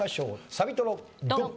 サビトロドン！